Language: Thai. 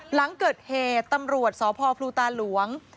หลังเกิดเหตุตำรวจสพพลูตาหลวง